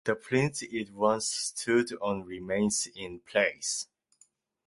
The plinth it once stood on remains in place.